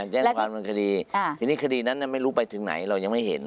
แจ้งความบนคดีทีนี้คดีนั้นไม่รู้ไปถึงไหนเรายังไม่เห็น